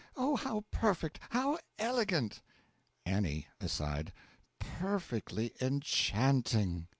Oh, how perfect! how elegant! A. (Aside.) Per fectly enchanting!